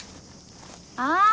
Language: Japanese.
ああ！